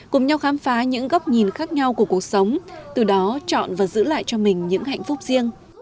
cùng nhau khám phá những góc nhìn khác nhau của cuộc sống từ đó chọn và giữ lại cho mình những hạnh phúc riêng